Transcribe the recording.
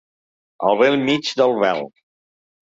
Al bell mig del vel.